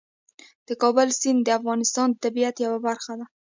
د کابل سیند د افغانستان د طبیعت یوه برخه ده.